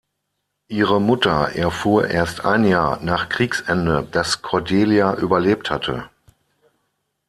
Ihre Mutter erfuhr erst ein Jahr nach Kriegsende, dass Cordelia überlebt hatte.